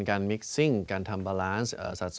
ความอุ่มล้ำทีบห้างออกไป